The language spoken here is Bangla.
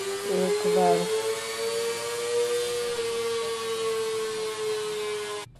একবার কি এটার চেষ্টা করে দেখা উচিত না?